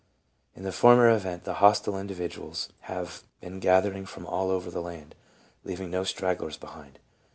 In the former event, the hostile individ uals have been gathering from all over the land, leaving no stragglers behind.